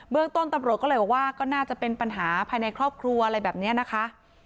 เรื่องต้นตำรวจก็เลยบอกว่าก็น่าจะเป็นปัญหาภายในครอบครัวอะไรแบบนี้นะคะ